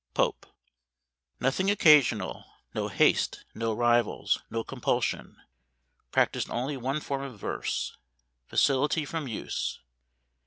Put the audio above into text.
POPE. Nothing occasional. No haste. No rivals. No compulsion. Practised only one form of verse. Facility from use.